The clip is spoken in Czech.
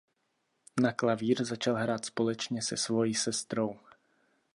Na klavír začal hrát společně se svoji sestrou.